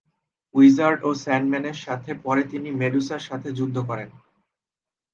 Wizard ও স্যান্ডম্যানের সাথে পরে তিনি মেডুসার সাথে যুদ্ধ করেন।